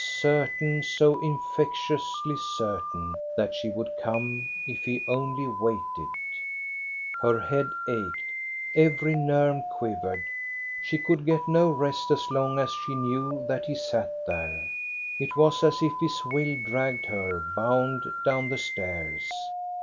Certain, so infectiously certain, that she would come if he only waited ! Her head ached. Every nerve quivered. She could get no rest as long as she knew that he sat there. It was as if his will dragged her bound down the stairs.